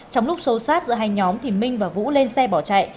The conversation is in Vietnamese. trong lúc sâu sát giữa hai nhóm thì minh và vũ lên xe bỏ chạy